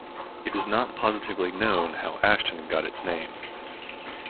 It is not positively known how Ashton got its name.